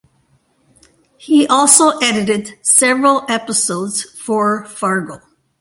He also edited several episodes for "Fargo".